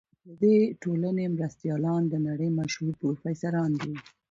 د دې ټولنې مرستیالان د نړۍ مشهور پروفیسوران دي.